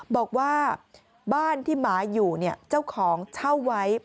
บอกว่าบ้านที่หมาอยู่เจ้าของเช่าไว้